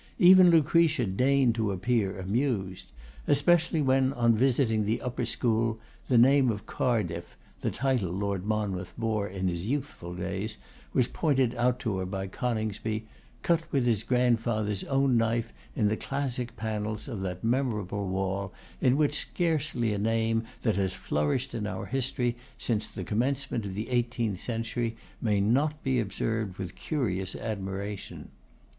Even Lucretia deigned to appear amused; especially when, on visiting the upper school, the name of CARDIFF, the title Lord Monmouth bore in his youthful days, was pointed out to her by Coningsby, cut with his grandfather's own knife on the classic panels of that memorable wall in which scarcely a name that has flourished in our history, since the commencement of the eighteenth century, may not be observed with curious admiration.